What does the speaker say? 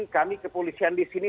kami kepolisian disini